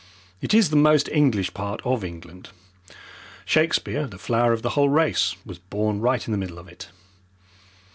It is the most English part of England. Shakespeare, the flower of the whole race, was born right in the middle of it.